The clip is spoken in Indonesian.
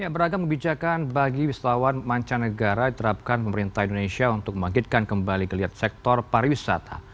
beragam kebijakan bagi wisatawan mancanegara diterapkan pemerintah indonesia untuk membangkitkan kembali geliat sektor pariwisata